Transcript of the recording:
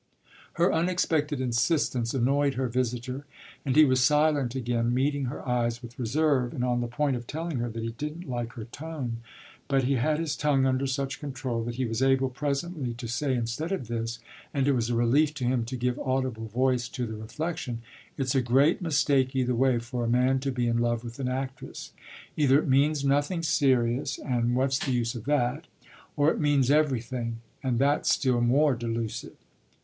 Her unexpected insistence annoyed her visitor, and he was silent again, meeting her eyes with reserve and on the point of telling her that he didn't like her tone. But he had his tongue under such control that he was able presently to say instead of this and it was a relief to him to give audible voice to the reflexion "It's a great mistake, either way, for a man to be in love with an actress. Either it means nothing serious, and what's the use of that? or it means everything, and that's still more delusive."